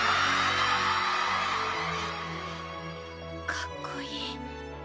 かっこいい。